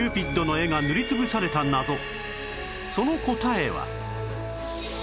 その答えは